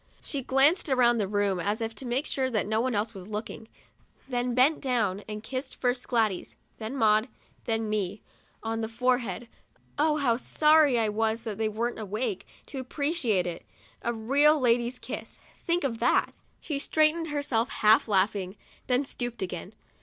She glanced around the room, as if to make sure that no one was looking, then bent down and kissed first Gladys, then Maud, then me, on the forehead. Oh, how sorry I FRIDAY— MY LEG IS BROKEN AND MENDED was that they weren't awake, to appreciate it — a real lady's kiss, think of that ! She straightened herself, half laughing, then stooped again.